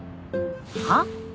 はっ？